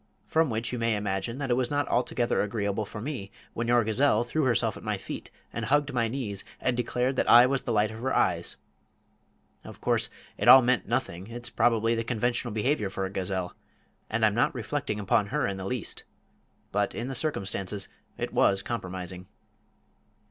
From which you may imagine that it was not altogether agreeable for me when your gazelle threw herself at my feet and hugged my knees and declared that I was the light of her eyes. Of course, it all meant nothing it's probably the conventional behaviour for a gazelle, and I'm not reflecting upon her in the least. But, in the circumstances, it was compromising."